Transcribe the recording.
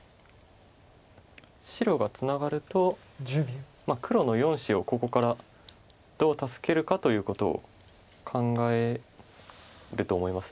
白がツナがると黒の４子をここからどう助けるかということを考えると思います。